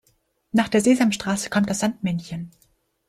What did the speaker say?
Nach der Sesamstraße kommt das Sandmännchen.